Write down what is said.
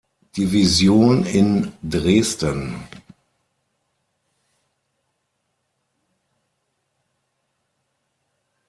Division in Dresden.